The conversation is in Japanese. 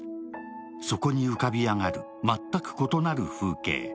そこに浮かび上がる全く異なる風景。